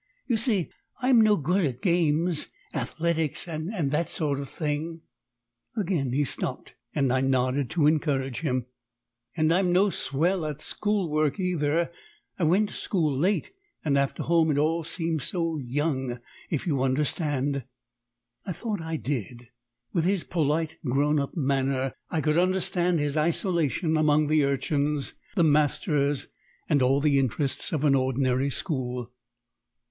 "You see, I'm no good at games athletics and that sort of thing " Again he stopped, and I nodded to encourage him. "And I'm no swell at schoolwork, either. I went to school late, and after home it all seems so young if you understand?" I thought I did. With his polite grown up manner I could understand his isolation among the urchins, the masters, and all the interests of an ordinary school.